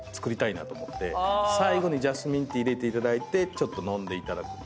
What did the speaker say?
最後ジャスミンティー入れていただいてちょっと飲んでいただくと。